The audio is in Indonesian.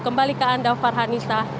kembali ke anda farhan nisa